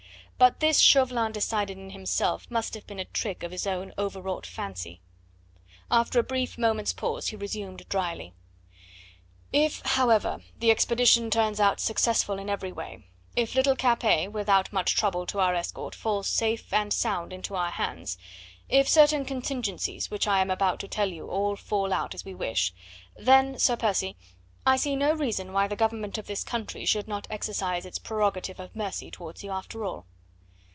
But this Chauvelin decided in himself must have been a trick of his own overwrought fancy. After a brief moment's pause he resumed dryly: "If, however, the expedition turns out successful in every way if little Capet, without much trouble to our escort, falls safe and sound into our hands if certain contingencies which I am about to tell you all fall out as we wish then, Sir Percy, I see no reason why the Government of this country should not exercise its prerogative of mercy towards you after all."